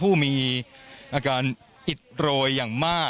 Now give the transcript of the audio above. และมีความหวาดกลัวออกมา